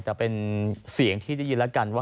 แต่เป็นเสียงที่ได้ยินแล้วกันว่า